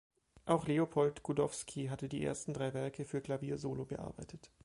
Auch Leopold Godowsky hatte die ersten drei Werke für Klavier solo bearbeitet.